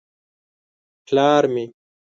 _ پلار مې.